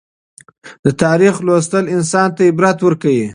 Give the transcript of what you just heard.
د تاریخ لوستل انسان ته عبرت ورکوي.